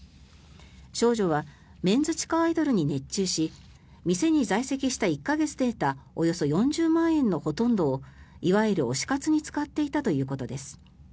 少女はメンズ地下アイドルに熱中し店に在籍した１か月で得たおよそ４０万円のほとんどをいわゆる推し活に使っていたということです。